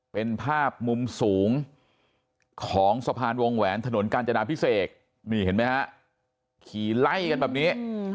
เป็นภาพมุมสูงของสะพานวงแหวนถนนกาญจนาพิเศษนี่เห็นไหมฮะขี่ไล่กันแบบนี้